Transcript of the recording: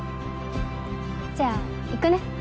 じゃあ行くね。